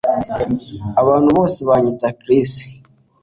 Abantu bose banyita Chris